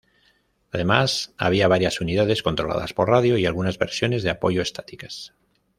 Además, había varias unidades controladas por radio y algunas versiones de apoyo estáticas.